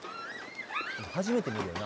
初めて見るよな